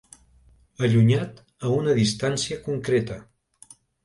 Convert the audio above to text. Allunyat a una distància concreta.